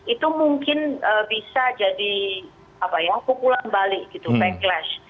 itu mungkin bisa jadi pukulan balik gitu backlash